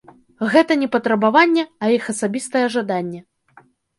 Гэта не патрабаванне, а іх асабістае жаданне.